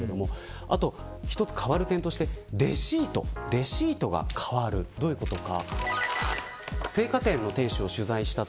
あと一つ変わる点としてレシートどういうことか。